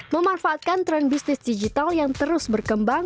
memanfaatkan tren bisnis digital yang terus berkembang